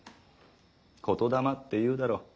言霊って言うだろう。